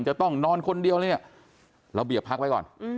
จะต้องนอนคนเดียวเลยเนี่ยระเบียบพักไว้ก่อน